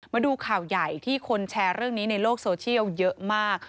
มาดูข่าวใหญ่ที่คนแชร์เรื่องนี้ในโลกโซเชียลเยอะมาก